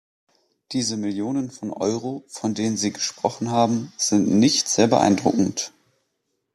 Diese Millionen von Euro, von denen Sie gesprochen haben, sind nicht sehr beeindruckend.